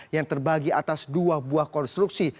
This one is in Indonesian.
yang terbagi atas dua buah konstruksi